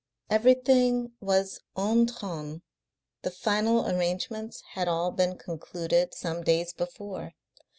Everything was en train; the final arrangements had all been concluded some days before.